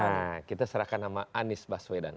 nah kita serahkan nama anies baswedan